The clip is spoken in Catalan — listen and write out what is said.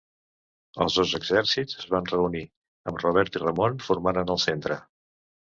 Els dos exèrcits es van reunir, amb Robert i Ramon formant en el centre.